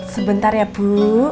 sebentar ya bu